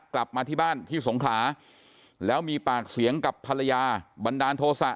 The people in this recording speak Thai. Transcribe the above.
กลับมาที่บ้านที่สงขลาแล้วมีปากเสียงกับภรรยาบันดาลโทษะ